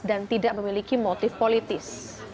dan tidak memiliki motif politis